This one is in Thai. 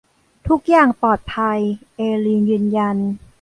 ทุกอย่างปลอดภัยเอลีนยืนยัน